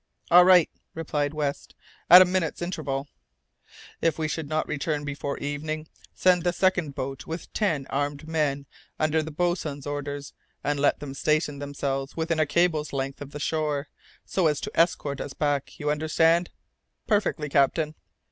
"All right," replied West "at a minute's interval." "If we should not return before evening, send the second boat with ten armed men under the boatswain's orders, and let them station themselves within a cable's length of the shore, so as to escort us back. You understand?" "Perfectly, captain."